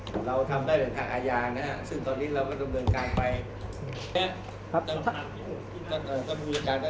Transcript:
เราทำได้เหลือทางอาญานะฮะ